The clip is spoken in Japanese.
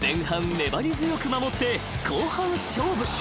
粘り強く守って後半勝負］